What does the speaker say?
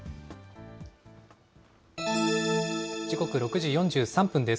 時刻、６時４３分です。